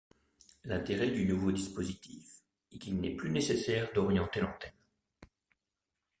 L'intérêt du nouveau dispositif est qu'il n'est plus nécessaire d'orienter l'antenne.